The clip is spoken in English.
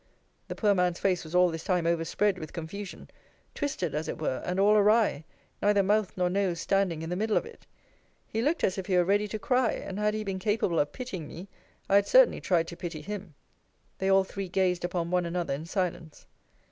The poor man's face was all this time overspread with confusion, twisted, as it were, and all awry, neither mouth nor nose standing in the middle of it. He looked as if he were ready to cry: and had he been capable of pitying me, I had certainly tried to pity him. They all three gazed upon one another in silence.